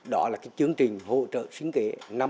đó là chương trình hỗ trợ sinh kế năm mươi năm mươi